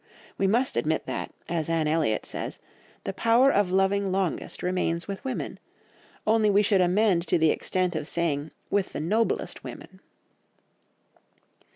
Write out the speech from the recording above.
We must admit that, as Anne Elliot says, the power of loving longest remains with women, only we should amend to the extent of saying with the noblest women.